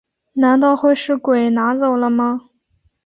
难道会是鬼拿走了吗